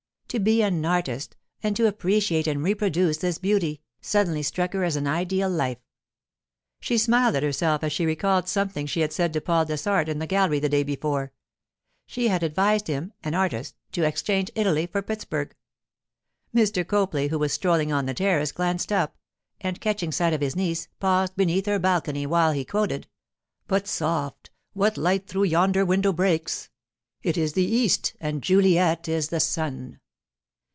To be an artist, and to appreciate and reproduce this beauty, suddenly struck her as an ideal life. She smiled at herself as she recalled something she had said to Paul Dessart in the gallery the day before; she had advised him—an artist—to exchange Italy for Pittsburg! Mr. Copley, who was strolling on the terrace, glanced up, and catching sight of his niece, paused beneath her balcony while he quoted:— '"But, soft! what light through yonder window breaks? It is the east, and Juliet is the sun."